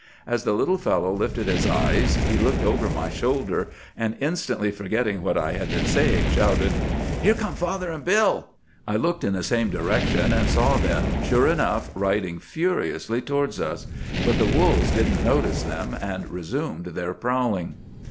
As the little fellow lifted his eyes he looked over my shoulder, and, instantly forgetting what I had been saying, shouted, 'Here come father and Bill!' I looked in the same direction and saw them, sure enough, riding furiously towards us. But the wolves didn't notice them, and resumed their prowling.